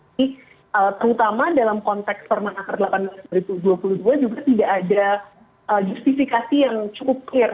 terutama dalam konteks permenaker delapan belas dua ribu dua puluh dua juga tidak ada justifikasi yang cukup clear